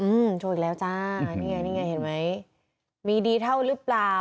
อืมโชว์อีกแล้วจ้านี่ไงนี่ไงเห็นไหมมีดีเท่าหรือเปล่า